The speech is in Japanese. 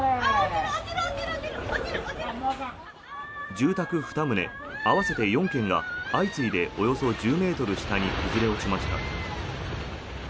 住宅２棟合わせて４軒が相次いで、およそ１０ｍ下に崩れ落ちました。